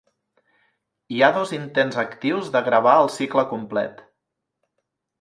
Hi ha dos intents actius de gravar el cicle complet.